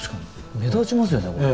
目立ちますよねこれ。